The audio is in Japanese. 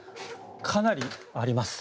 かなりあります。